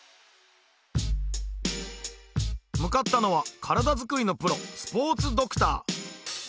向かったのは体作りのプロスポーツドクター。